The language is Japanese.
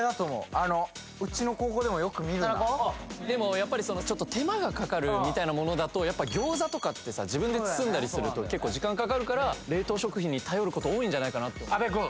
あのうちのでもやっぱり手間がかかるみたいなものだとやっぱギョーザとかってさ自分で包んだりすると結構時間かかるから冷凍食品に頼ること多いんじゃないかなと阿部くん